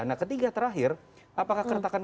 nah ketiga terakhir apakah keretakan